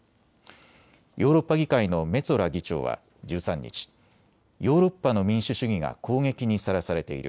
ヨーロッパ議会のメツォラ議長は１３日、ヨーロッパの民主主義が攻撃にさらされている。